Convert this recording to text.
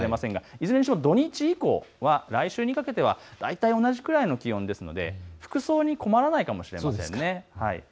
いずれにしても土日以降、来週にかけては大体同じくらいの気温ですので、服装に困らないかもしれませんね。